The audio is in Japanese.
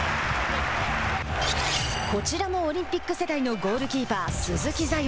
こちらもオリンピック世代のゴールキーパー鈴木彩艶。